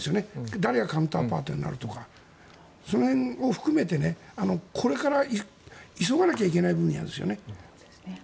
誰がカウンターパートになるとかその辺も含めてこれから急がなきゃいけない分野ですね。